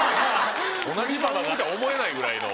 同じ番組とは思えないぐらいの。